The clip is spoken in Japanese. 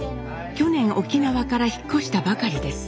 去年沖縄から引っ越したばかりです。